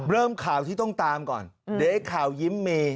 เริ่มข่าวที่ต้องตามก่อนเดี๋ยวไอ้ข่าวยิ้มมี